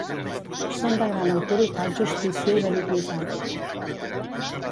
Són de gran autoritat justícia i benignitat.